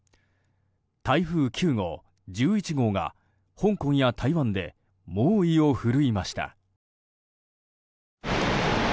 台風９号、１１号が香港や台湾で猛威を振るいました。